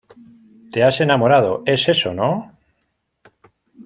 te has enamorado, ¿ es eso , no?